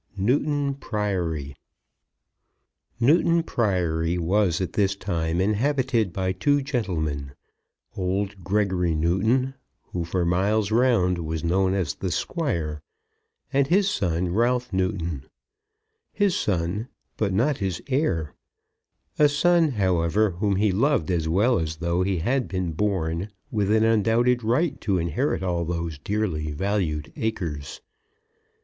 NEWTON PRIORY. Newton Priory was at this time inhabited by two gentlemen, old Gregory Newton, who for miles round was known as the Squire; and his son, Ralph Newton, his son, but not his heir; a son, however, whom he loved as well as though he had been born with an undoubted right to inherit all those dearly valued acres.